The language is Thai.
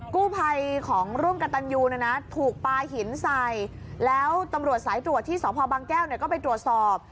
กู้ภัยของร่วมกับตันยูนะนะถูกปลาหินใส่แล้วตำรวจสายตรวจที่สพบางแก้วเนี่ยก็ไปตรวจสอบ